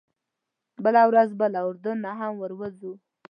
بله ورځ به له اردن نه هم ووځو.